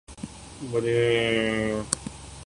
یہ وہ جنس ہے جو بازار سیاست میں مدت سے نایاب ہے۔